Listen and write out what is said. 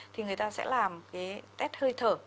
thì người ta sẽ làm cái test hơi thở